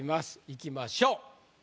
いきましょう。